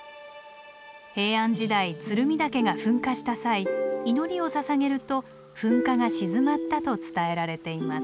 平安時代鶴見岳が噴火した際祈りをささげると噴火が鎮まったと伝えられています。